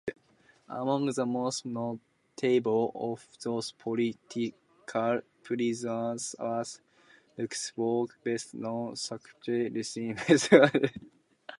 Among the most notable of those political prisoners was Luxembourg's best-known sculptor Lucien Wercollier.